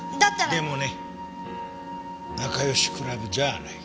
でもね仲よしクラブじゃあない。